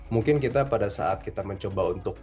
mungkin kita pada saat kita mencoba untuk